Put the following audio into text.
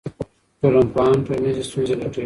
ټولنپوهان ټولنیزې ستونزې لټوي.